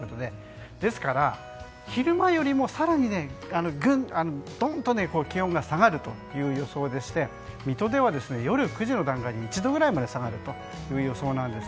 ですから、昼間よりも更にドンと気温が下がる予想でして水戸では夜９時の段階で１度ぐらいまで下がる予想です。